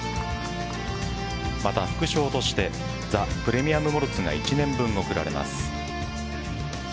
また、副賞としてザ・プレミアム・モルツが１年分贈られます。